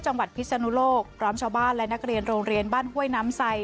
พิศนุโลกพร้อมชาวบ้านและนักเรียนโรงเรียนบ้านห้วยน้ำไซ